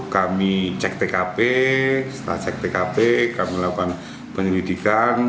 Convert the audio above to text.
kami cek tkp setelah cek tkp kami lakukan penyelidikan